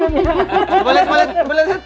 boleh liat boleh liat boleh liat